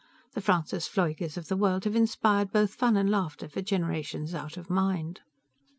The Francis Pfleugers of the world have inspired both fun and laughter for generations out of mind.